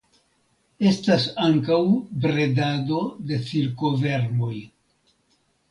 Estas ankaŭ bredado de silkovermoj.